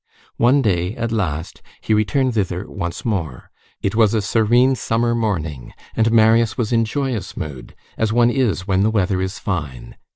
One day, at last, he returned thither once more; it was a serene summer morning, and Marius was in joyous mood, as one is when the weather is fine.